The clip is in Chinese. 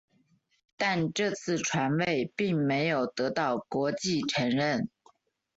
但这次传位并没有得到国际承认。